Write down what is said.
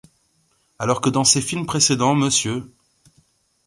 Alors que dans ses films précédents Mr.